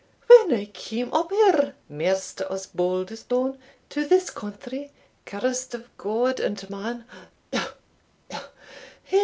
When I came up here, Maister Osbaldistone, to this country, cursed of God and man uh!